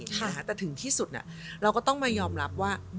แต่ถึงที่สุดเราก็ต้องมายอมรับว่า